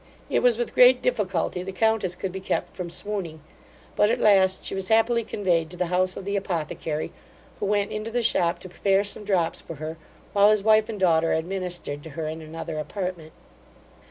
It was with great difficulty the countess could be kept from swooning; but at last she was happily conveyed to the house of the apothecary, who went into the shop to prepare some drops for her, while his wife and daughter administered to her in another apartment.